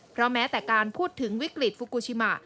เพราะแม้แต่การพูดถึงวิกฤตฟุกูชิมะ